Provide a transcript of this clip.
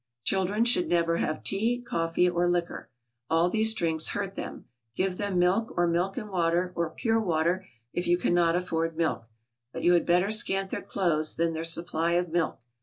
Children should never have tea, coffee, or liquor; all these drinks hurt them; give them milk, or milk and water; or pure water, if you cannot afford milk. But you had better scant their clothes than their supply of milk.